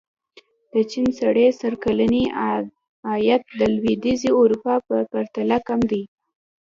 د چین سړي سر کلنی عاید د لوېدیځې اروپا په پرتله کم دی.